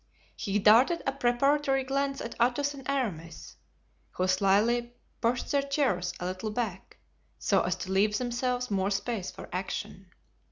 He darted a preparatory glance at Athos and Aramis, who slyly pushed their chairs a little back so as to leave themselves more space for action.